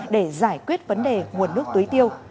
để giải quyết vấn đề nguồn nước tưới tiêu